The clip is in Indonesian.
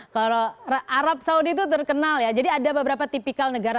kalau arab saudi itu terkenal ya jadi ada beberapa tipikal negara